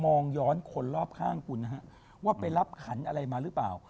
มองย้อนคนรอบข้างคุณนะฮะว่าไปรับขันอะไรมาหรือเปล่า